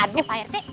aduh pak rete